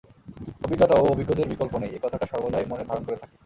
অভিজ্ঞতা ও অভিজ্ঞদের বিকল্প নেই - এ কথাটা সর্বদাই মনে ধারন করে থাকি।